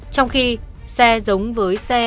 trong khi xe giống với xe